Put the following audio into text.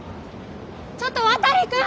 ちょっと渡くん！